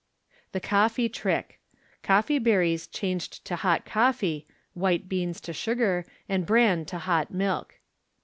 The Coffee Trick. (Coffee Berries changed to Hot Coffee, White Beans to Sugar, and Bran to Hot Milk).